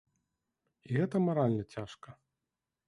І гэта маральна цяжка.